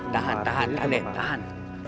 tahan tahan tahan deh tahan